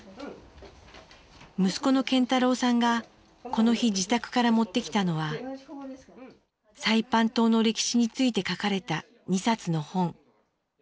息子の健太郎さんがこの日自宅から持ってきたのはサイパン島の歴史について書かれた２冊の本。